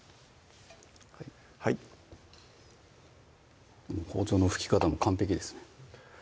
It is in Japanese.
はい包丁の拭き方も完璧ですね